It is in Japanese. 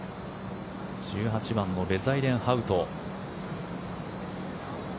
１８番のベザイデンハウト。